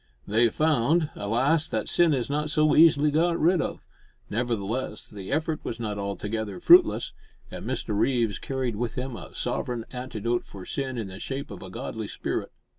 They found, alas! that sin is not so easily got rid of; nevertheless, the effort was not altogether fruitless, and Mr Reeves carried with him a sovereign antidote for sin in the shape of a godly spirit.